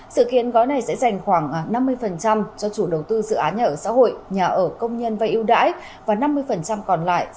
sự kiện gói này sẽ dành khoảng năm mươi cho chủ đầu tư dự án nhà ở xã hội nhà ở công nhân và yêu đãi